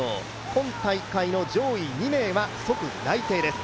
今大会の上位２名は即内定です。